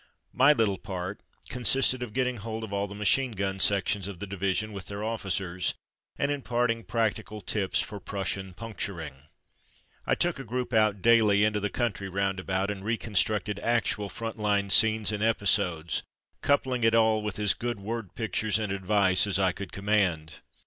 44 Those Field Days 45 My little part consisted of getting hold of all the machine gun sections of the division with their officers, and imparting practical tips for Prussian puncturing. I took a group out daily into the country round about, and reconstructed actual front line scenes and episodes, coupling it all with as good word pictures and advice as I could command.